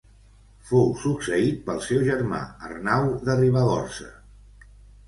Fou succeït pel seu germà Arnau de Ribagorça.